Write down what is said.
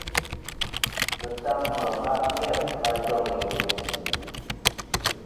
Mɨtam mɨ amba ni-a vfɨ a njoŋ igvɨyn.